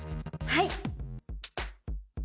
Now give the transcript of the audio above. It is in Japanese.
はい！